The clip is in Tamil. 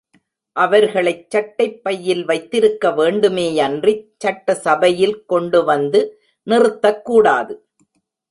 அவர்களைச் சட்டைப் பையில் வைத்திருக்க வேண்டுமேயன்றிச் சட்டசபையில் கொண்டு வந்து நிறுத்தக் கூடாது.